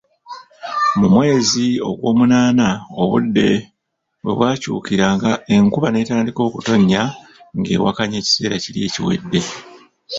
Mu mwezi ogwomunaana obudde we bwakyukiranga enkuba n'etandika okutonya ng'ewakanya ekiseera kiri ekiwedde.